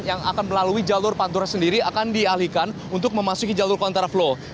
yang akan melalui jalur pantura sendiri akan dialihkan untuk memasuki jalur kontraflow